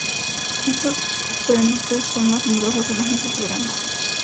Estos frentes son más numerosos en los meses de verano.